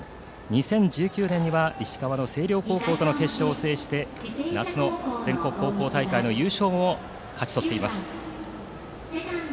２０１９年には石川の星稜高校との決勝を制して夏の全国高校大会の優勝を勝ち取っています。